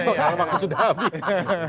kalau waktu sudah habis